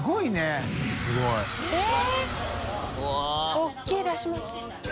大きいだし巻き。